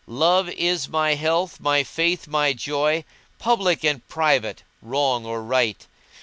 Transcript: Love is my health, my faith, my joy * Public and private, wrong or right.